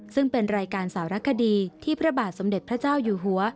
ซึ่งเป็นรายการสารคดีที่พระบาทสมเด็จพระเจ้าอยู่หัว